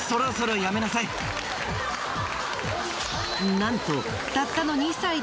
なんと。